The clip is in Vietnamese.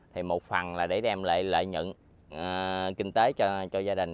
thì một phần là để đem lại lợi nhận kinh tế cho gia đình